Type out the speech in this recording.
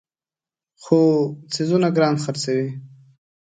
خو څیزونه ګران خرڅوي.